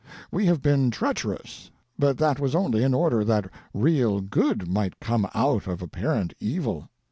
We have been treacherous ; but that was only in order that real good might come out of apparent evil.